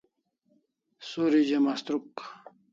Suri ze mastruk